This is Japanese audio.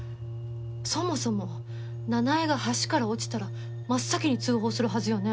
そもそも奈々江が橋から落ちたら真っ先に通報するはずよね？